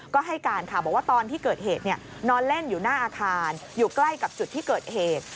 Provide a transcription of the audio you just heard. ก็ให้การค่ะบอกว่าตอนที่เกิดเหตุนอนเล่นอยู่หน้าอาคารอยู่ใกล้กับจุดที่เกิดเหตุ